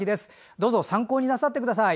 どうぞ、参考になさってください。